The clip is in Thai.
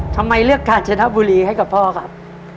ทำไมเลือกกาญจนบุรีให้กับพ่อครับ